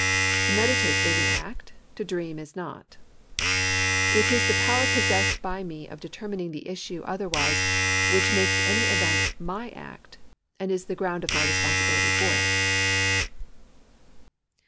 To meditate is an act ; to dream is not. It is the power possessed by me of determining the issue otherwise which makes any event my act, and is the ground of my responsibility for it.